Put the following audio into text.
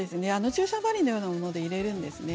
注射針のようなもので入れるんですね。